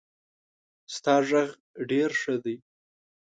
ستا غږ ډېر ښه دی.